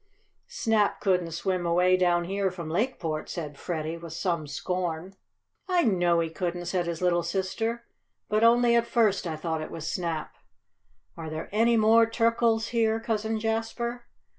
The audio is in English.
"Snap couldn't swim away down here from Lakeport!" said Freddie, with some scorn. "I know he couldn't!" said his little sister. "But only at first I thought it was Snap. Are there any more turkles here, Cousin Jasper?"